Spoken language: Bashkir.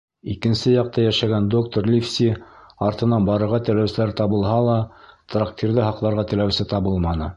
Икенсе яҡта йәшәгән доктор Ливси артынан барырға теләүселәр табылһа ла, трактирҙы һаҡларға теләүсе табылманы.